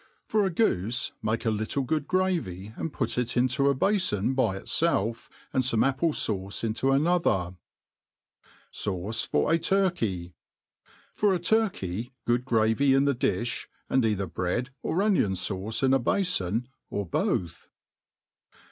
FOR a goofe make a little good gravy,^ and put it into ^. i^afon by itfelf^ and fome apple*fauce into another. Sauce for a Turkey. FOR a turkey, good gravy in the difli, and either bread or enlbn /aucc in o^ bafon, or both.